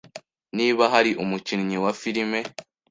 Niba hari umukinnyi wa filime